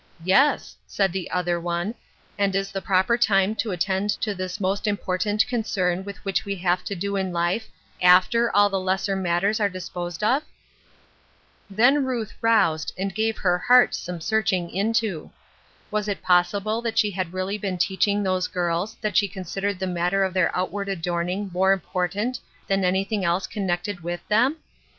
" Yes," said the other one, " and is the proper time to attend to this most important concern with which we have to do in life after all the les ser matters are disposed of ?" Then Ruth roused, and gave her heart some searching into. Was it possible that she had really been teaching those girls that she consid ered the matter of their outward adorning more important than anything else connected with them